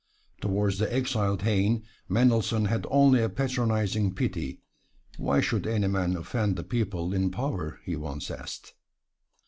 Towards the exiled Heine, Mendelssohn had only a patronizing pity "Why should any man offend the people in power?" he once asked.